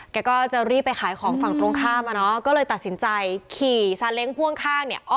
แกก็จะรีบไปขายของฝั่งตรงข้ามอ่ะเนอะก็เลยตัดสินใจขี่ซาเล้งพ่วงข้างเนี่ย